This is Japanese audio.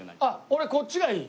俺こっちがいい。